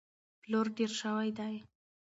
پلور ډېر شوی دی.